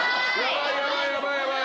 ヤバいヤバいヤバい。